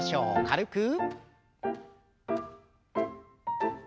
軽く。